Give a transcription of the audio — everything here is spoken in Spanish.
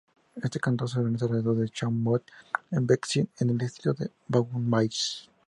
Este cantón se organiza alrededor de Chaumont-en-Vexin, en el distrito de Beauvais.